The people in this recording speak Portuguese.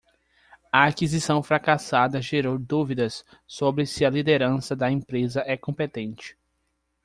A aquisição fracassada gerou dúvidas sobre se a liderança da empresa é competente.